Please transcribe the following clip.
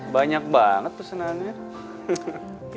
banyak banget pesenannya